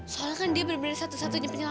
soalnya kan dia bener bener satu satunya pencuri ya